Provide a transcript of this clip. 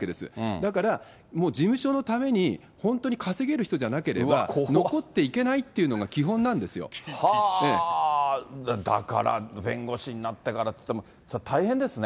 だから、もう事務所のために、本当に稼げる人じゃなければ、残っていけないっていうのが基本なだから、弁護士になってからっていっても、大変ですね。